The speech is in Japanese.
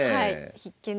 必見です。